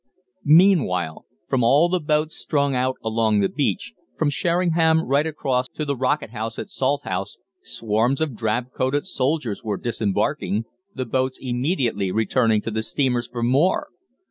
"Meanwhile, from all the boats strung out along the beach, from Sheringham right across to the Rocket House at Salthouse, swarms of drab coated soldiers were disembarking, the boats immediately returning to the steamers for more.